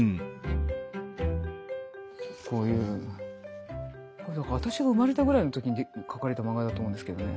こういう私が生まれたぐらいの時に描かれた漫画だと思うんですけどね。